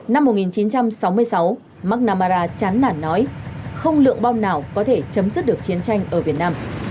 năm một nghìn chín trăm sáu mươi sáu mgnamara chắn nản nói không lượng bom nào có thể chấm dứt được chiến tranh ở việt nam